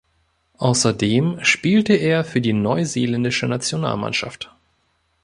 Außerdem spielte er für die neuseeländische Nationalmannschaft.